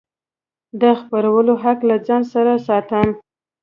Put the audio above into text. د خپرولو حق له ځان سره ساتم.